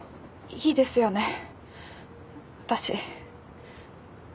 いいですよね私。